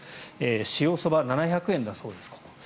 塩そば７００円だそうです。